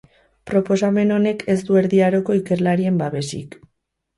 Proposamen honek ez du Erdi Aroko ikerlarien babesik.